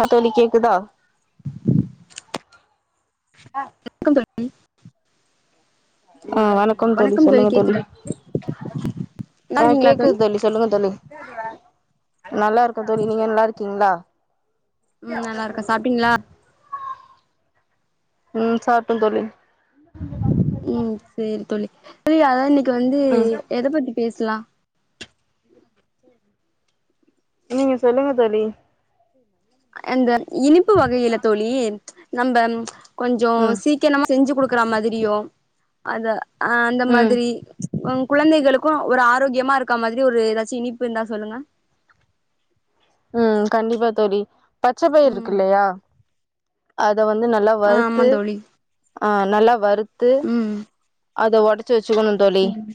ஆ தோழி கேக்குதா வணக்கம் தோழி ஆ வணக்கம் தோழி சொல்லுங்க தோழி நல்லா ஆ இருக்கீங்களா கேக்குது தோழி சொல்லுங்க தோழி நல்லா இருக்கோ தோழி நீங்க நல்லா இருக்கீங்களா ம் நல்லா இருக்கே சாப்பிட்டீங்களா ம் சாப்ட்டேந் தோழி ம் சேரி தோழி ச அதா இன்னைக்கு வந்து ம் எத பத்தி பேசலா சரி நீங்க சொல்லுங்க தோழி அந்த இனிப்பு வகையில தோழி நம்ப கொஞ்சோ ம் சி க்க நம்ம செஞ்சு குடுக்குற மாதிரியோ அந்த அந்த ம் மாதிரி உ குழந்தைகளுக்கு ஒரு ஆரோக்கியமா இருக்க மாதிரி ஒரு ஏதாச்சு இனிப்பு இருந்தா சொல்லுங்க உம் கண்டிப்பா தோழி பச்ச பயிர் ம் இருக்கு இல்லையா அத வந்து நல்லா ஆ ஆமா வறுத்து தோழி ஆ நல்லா வறுத்து ம் அத ஒடச்சு வச்சுக்கணு தோழி ம்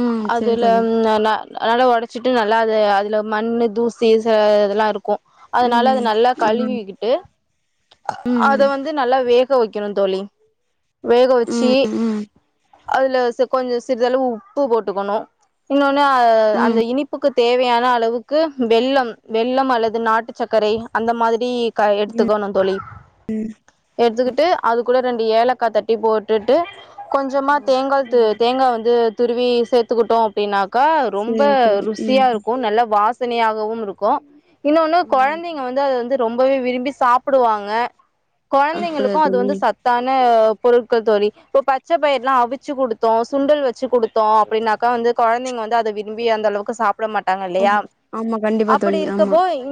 ம் சேரி அதுல தோழி அதனால ஒடச்சிட்டு நல்லா அது அதுல மண்ணு தூசி சில இதலா இருக்கு அதனால அத ம் நல்லா ஆ கழுவிக்கிட்டு அத ம் வந்து வந்து நல்லா வேக வைக்கணு தோழி வேக வச்சி ம் ம் ம் அதுல ச கொஞ்சோ சிறிதளவு உப்பு போட்டுக்கணு இன்னொன்னு அ அந்த ம் இனிப்புக்கு தேவையான அளவுக்கு வெல்லம் வெல்லம் அல்லது நாட்டு சக்கரை அந்த மாதிரி க எடுத்துக்கணு தோழி எடுத்துக்கிட்டு அது கூட ரெண்டு ஏலக்கா தட்டி போட்டுட்டு கொஞ்சமா தேங்கா து தேங்கா வந்து துருவி சேத்துக்கிட்டோ அப்டினாக்கா ரொம்ப சேரி தோழி ம் ருசியா இருக்கு நல்ல வாசனையாகவு இருக்கு இன்னொன்னு ம் கொழந்தைங்க வந்து அத வந்து ரொம்பவே விரும்பி சாப்டுவாங்க அப்படியா கொழந்தைங்களுக்கு அது தோழி வந்து சத்தான பொருட்கள் தோழி இப்ப பச்ச பயிர்லா அவி ச்சு குடுத்தோ சுண்டல் வச்சு குடுத்தோ அப்டின்னாக்கா வந்து கொழந்தைங்க வந்து அத விரும்பி அந்தளவுக்கு சாப் சாப்ட மாட்டாங்க இல்லையா ஆமா ஆமா கண்டிப்பா அப்படி தோழி ஆமா இருக்கப்போ இங்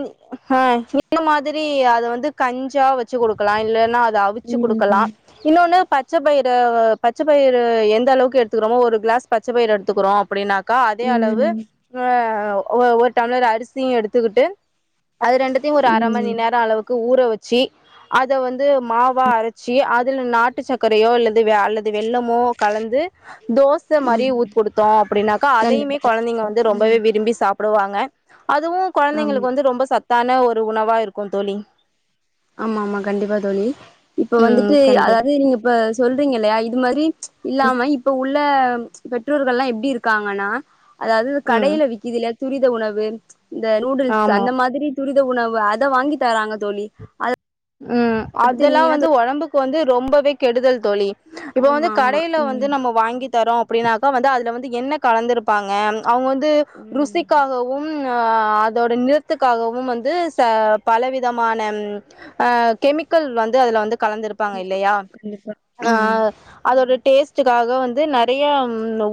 ஹ இந்த மாதிரி அத வந்து கஞ்சா வச்சு குடுக்கலா இல்லன்னா அத அவிச்சு ம் குடுக்கலா ம் இன்னொன்னு பச்ச பயிர பச்ச பயிறு எந்த அளவுக்கு எடுத்துக்றோமோ ஒரு கிளாஸ் பச்ச பயிர் எடுத்துக்குறோ அப்டின்னாக்கா அதே அளவு ம் ம் ஒ ஒரு டம்ளர் அரிசியு எடுத்துக்கிட்டு அது ரெண்டுத்யு ஒரு அர ம் மணிநேரோ அளவுக்கு ஊற வச் ச்சி அத வந்து மாவா அரச்சி அதுல நாட்டு சக்கரையோ அல்லது அல்லது இது வெல்லமோ கலந்து தோஸ் ச மாரி ஊத்து குடுத்தோ அப்டினாக்கா கண்டிப்பா அதையுமே கொழந்தைங்க கண்டிப்பா வந்து ம் ரொம்பவே விரும்பி சாப்டுவாங்க அதுவு ஆமா கொழந்தைங்களுக்கு வந்து ரொம்ப சத்தான ஒரு உணவா இருக்கு தோழி ஆமா ஆமா கண்டிப்பா தோழி இப்ப ம் வந்துட்டு கண்டிப்பா அதாவது நீங்க இப்ப சொல்றீங்க இல்லையா இது மாதிரி இல்லாம இப்ப உள்ள பெற்றோர்கள்லா எப்டி இருக்காங்கன்னா அதாவது ம் கடையில விக்குதல துரித உணவு இந்த நூடுல்ஸ் ஆமா அந்த மாதிரி துரித உணவு அத வாங்கி தராங்க தோழி அத ம் பத்தி அதெல்லா நீங்க என்ன வந்து தோ ஒடம்புக்கு வந்து ரொம்பவே கெடுதல் தோழி இப்ப வந்து ஆமா ஆமா கடையில வந்து ம் நம்ம வாங்கி தரோ அப்டின்னாக்கா வந்து அதுல வந்து என்ன கலந்திருப்பாங்க அவங்க வந்து ம் ருசிக்காகவு வும் அதோட நிறத்துக்காகவும் வந்து ச பல விதமான அ கெமிக்கல் வந்து அதுல வந்து கலந்திருப்பாங்க ஆமா இல்லையா கண்டிப்பா அ ம் அதோட டேஸ்ட் க்காக வந்து நெறய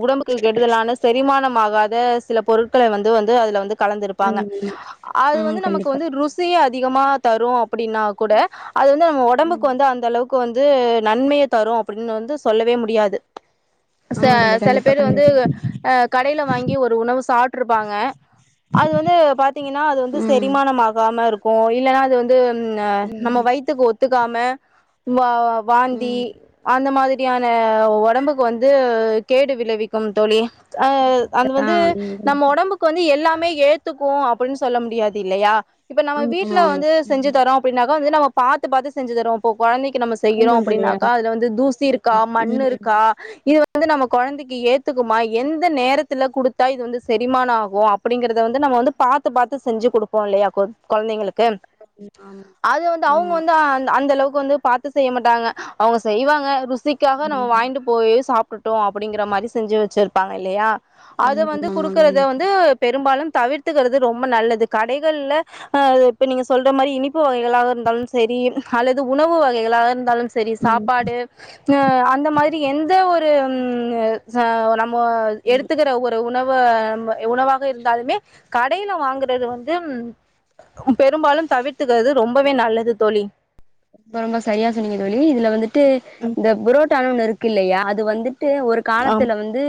உடம்புக்கு கெடுதலான செரிமானமாகாத சில பொருட் கள வந்து வந்து அதுல வந்து கலந்துருப்பாங்க ம் அது ம் வந்து நமக்கு கண்டிப்பா வந்து ருசி அதிகமா தரு அப்டின்னா கூட அது வந்து நம்ம ஒடம்புக்கு வந்து அந்த அளவுக் க்கு வந்து நன்மைய தரு அப்டினு வந்து சொல்லவே முடியாது ச ஆமா தோழி செல கண்டிப்பா பேரு வந்து கண்டிப்பா அ கடையில வாங்கி ஒரு உணவு சாப்ட்ருப்பாங்க அது வந்து பாத்தீங்கன்னா அது வந்து ம் செரிமானமாகாம இருக் க்கு இல்லன்னா அது வந்து நம்ம ம் வயித்துக்கு ஒத்துக்காம வா வாந்தி அந்த மாதிரியான ஒடம்புக்கு வந்து கேடு விளைவிக்கு தோழி அ அது ஆ வந்து ம் நம்ம கண்டிப்பா ஒடம்பு காகு வந்து எல்லாமே ஏத்துக்கு அப்டின்னு சொல்ல முடியாது இல்லையா இப்ப நம்ம ஆமா வீட்டுல ஆமா ஆமா வந்து செஞ்சு தரோ அப்டின்னாக்கா வந்து நம்ம பா்த்து பா்த்து செஞ்சு தரோ இப்போ குழந்தைக்கு நம்ம செய்யறோ ஆமா தோழி அப்டின்னாக்கா அதுல வந்து தூசி இருக்கா மண் ம் இருக்கா இது வந் வந்து நம்ம குழந்தைக்கு ஏத்துக்குமா எந்த நேரத்துல குடுத்தா இது வந்து செரிமானமாகு அப்படிங்கறத வந்து நம்ம வந்து பாத்து பாத்து செஞ்சு குடுப்போ இல்லையா ஒரு குழந்தைங்களுக்கு [inaudible] அது வந்து அவுங்க ஆமா வந்து அ அந்த அளவுக்கு வந்து பாத்து செய்ய மாட்டாங்க அவுங்க செய்வாங்க ருசி க்காக நம்ம ம் வாயின்ட்டு போய் சாப்ட்டுட்டோ அப்படிங்கற மாரி செஞ்சு வெச்சிருப்பாங்க இல்லயா அது வந்து ம் ஆமா குடுக்கறத வந்து பெரும்பாலும் தவிர்த்துக்கறது ரொம்ப நல்லது கடைகள்ல அ இப்ப நீங்க சொல்ற மாரி இனிப்பு வகை இல்லாத இருந்தாலும் செரி அல்லது உணவு வகைகளாக இருந்தாலும் செரி சாப்பாடு அ அந்த மாதிரி எந்த ஒரு ம் அ ச நம்போ எடுத்துக்கற ஒரு உணவ ப உணவாக இருந்தாலுமே க டையில வாங்கறது வந்து பெரும்பாலு தவிர்த்துக்கறது ரொம்பவே நல்லது தோழி ரொம்ப ரொம்ப சரியா சொன்னீங்க தோழி இதுல வந்துட்டு இந்த புரோட்டான்னு ஒண்ணு இரு க்கு இல்லயா அது வந்துட்டு ஒரு ஆம் காலத்துல வந்து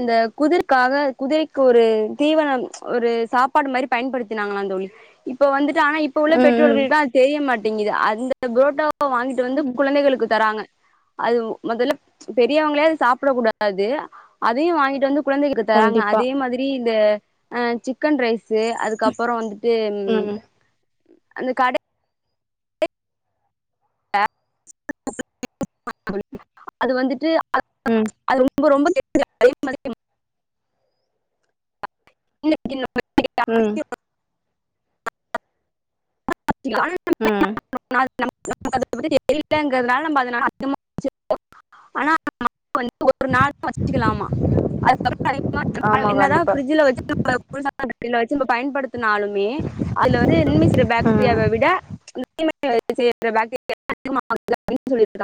இந்த குதிர்க்காக குதிரைக்கு ஒரு தீவனம் ஒரு சாப்பாடு மாரி பயன்படுத்தினாங்களா தோழி இப்ப வந்துட்டு ஆனா இப்ப உள்ள ம் ம் பெற்றோர்கள் தா தெரிய மாட்டிங்குது அந்த புரோட்டாவ வாங்கிட் டு வந்து ம் குழந்தைகளுக்கு தராங்க அது மொதல்ல பெரியவங்களே அத சாப்பட கூடாது அதயூ வாங்கிட்டு வந்து குழந்தைகளுக்கு தராங்க கண்டிப்பா அதே மாதிரி இந்த அ சிக்கன் ரைஸு அது க்கப்பறோ வந்துட்டு ம் அந்த கடை [inaudible] அது வந்துட்டு ம் அது ரொம்ப ரொம்ப [inaudible] ம் [inaudible] ம் தெரிலங்கறதுனால [inaudible] [inaudible] அனா [inaudible] ஒரு நாள் [unintelligible] வச்சுக்கலாமா அதுக்கப்பறோ [inaudible] ஆமா என்னதா கண்டிப்பா பிர்ஜ்ல [inaudible] [inaudible] பயன்படுத்தினாலுமே அதுல [inaudible] ம் [inaudible] விட [inaudible]